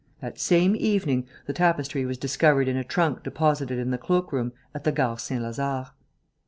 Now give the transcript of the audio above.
That same evening, the tapestry was discovered in a trunk deposited in the cloak room at the Gare Saint Lazare.